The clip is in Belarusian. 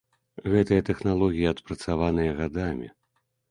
Гэтыя тэхналогіі адпрацаваныя гадамі.